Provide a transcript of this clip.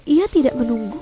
ia tidak menunggu